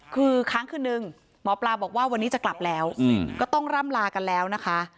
คือครั้งคืนนึงหมอปลาบอกว่าวันนี้จะกลับแล้วก็ต้องร่ำลากันแล้วนะคะ